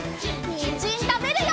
にんじんたべるよ！